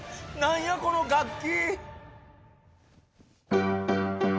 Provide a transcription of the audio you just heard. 何やこの楽器。